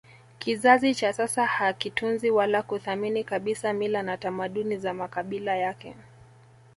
Kizazi cha sasa hakitunzi wala kuthamini kabisa mila na tamaduni za makabila yake